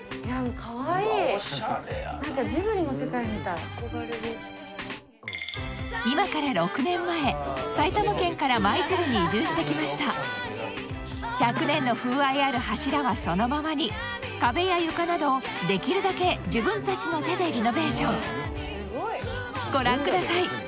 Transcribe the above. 何かジブリの世界みたい今から６年前埼玉県から舞鶴に移住してきました１００年の風合いある柱はそのままに壁や床などをできるだけ自分達の手でリノベーションご覧ください